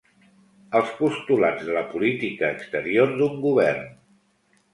Els postulats de la política exterior d'un govern.